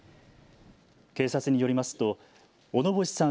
警察によりますと小野星さん